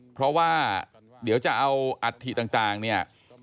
เพราะว่าเดี๋ยวจะเอาอัฐิต่างเนี่ย